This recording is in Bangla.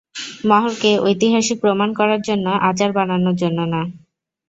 মহলকে ঐতিহাসিক প্রমাণ করার জন্য, আচার বানানোর জন্য না।